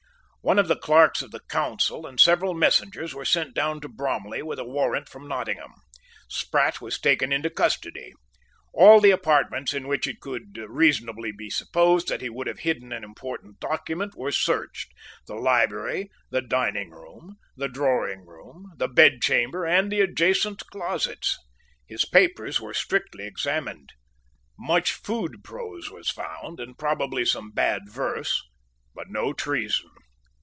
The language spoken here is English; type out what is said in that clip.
One of the Clerks of the Council and several messengers were sent down to Bromley with a warrant from Nottingham. Sprat was taken into custody. All the apartments in which it could reasonably be supposed that he would have hidden an important document were searched, the library, the diningroom, the drawingroom, the bedchamber, and the adjacent closets. His papers were strictly examined. Much food prose was found, and probably some bad verse, but no treason.